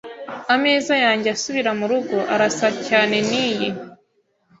Ameza yanjye asubira murugo arasa cyane. niyi .